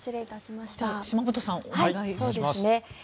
島本さん、お願いします。